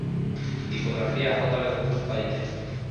Tipografía: J. Bethencourt Padilla.